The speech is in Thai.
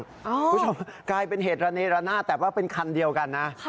คุณผู้ชมกลายเป็นเหตุระเนรนาศแต่ว่าเป็นคันเดียวกันนะ